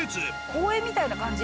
公園みたいな感じ？